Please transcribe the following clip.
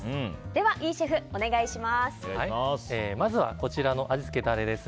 ではイシェフ、お願いします。